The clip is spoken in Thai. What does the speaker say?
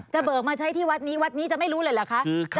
เบิกมาใช้ที่วัดนี้วัดนี้จะไม่รู้เลยเหรอคะ